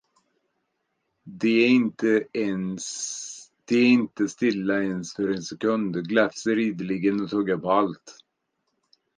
De är inte stilla ens för en sekund, gläfser ideligen och tuggar på allt.